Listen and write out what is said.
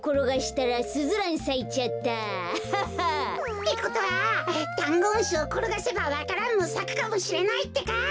ってことはだんごむしをころがせばわか蘭もさくかもしれないってか。